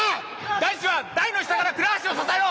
男子は台の下から倉橋を支えろ！